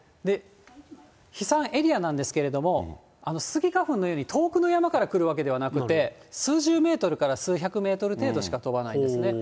飛散エリアなんですけれども、スギ花粉のように遠くの山から来るわけではなくて、数十メートルから数百メートル程度しか飛ばないんですね。